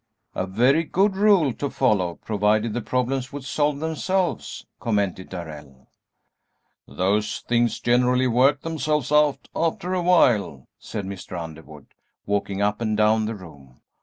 "A very good rule to follow, provided the problems would solve themselves," commented Darrell. "Those things generally work themselves out after a while," said Mr. Underwood, walking up and down the room.